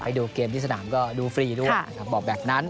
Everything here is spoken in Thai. ไปดูเกมที่สนามก็ดูฟรีด้วยบอกแบบนั้น